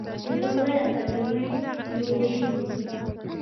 د فوټبال اکاډمۍ جوړې شوي دي.